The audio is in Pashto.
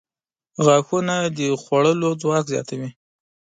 • غاښونه د خوړلو ځواک زیاتوي.